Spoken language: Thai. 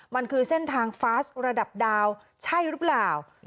มันคือเส้นทางฟาสระดับดาวใช่หรือเปล่า